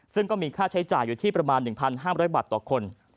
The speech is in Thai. ซึ่งก็มีค่าใช้จ่ายอยู่ที่ประมาณ๑๕๐๐บาทต่อคน